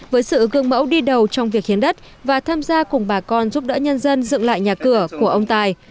với sự gương mẫu đi đầu trong việc hiến đất và tham gia cùng bà con giúp đỡ nhân dân dựng lại nhà cửa của ông tài